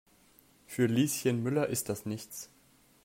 Für Lieschen Müller ist das nichts.